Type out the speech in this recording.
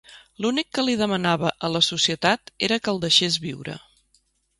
L'únic que li demanava a la societat era que el deixés viure.